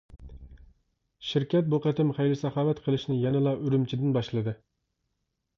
شىركەت بۇ قېتىم خەير-ساخاۋەت قىلىشنى يەنىلا ئۈرۈمچىدىن باشلىدى.